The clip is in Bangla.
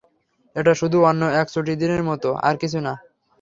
এটা শুধু অন্য এক ছুটির দিনের মাতো, আর কিছু না।